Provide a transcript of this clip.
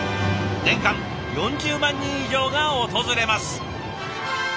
年間４０万人以上が訪れます。